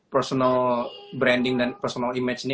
personal branding dan personal image ini